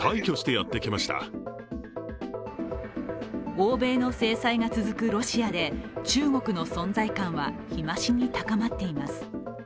欧米の制裁が続くロシアで中国の存在感は日増しに高まっています。